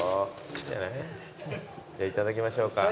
じゃあ頂きましょうか。